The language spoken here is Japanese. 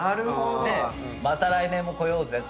で「また来年もこようぜ！」